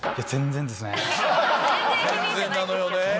全然なのよね。